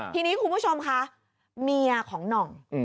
ทีนี้คุณผู้ชมคะเมียของหน่อง